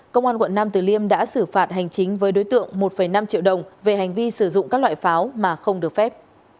công an quận nam tử liêm đã xử phạt hành chính với đối tượng một năm triệu đồng về hành vi sử dụng các loại pháo mà không được phép